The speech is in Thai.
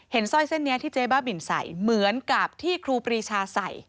สร้อยเส้นนี้ที่เจ๊บ้าบินใส่เหมือนกับที่ครูปรีชาใส่